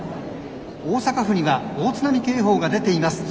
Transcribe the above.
大阪府には大津波警報が出ています。